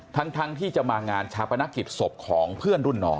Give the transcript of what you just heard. ทั้งที่จะมางานชาปนกิจศพของเพื่อนรุ่นน้อง